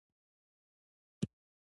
د انګرېزانو د طاقت زیاتېدل شر منبع ده.